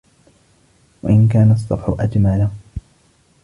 وَإِنْ كَانَ الصَّفْحُ أَجْمَلَ